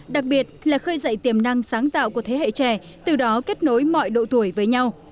đặc biệt là khơi dậy tiềm năng sáng tạo của thế hệ trẻ từ đó kết nối mọi độ tuổi với nhau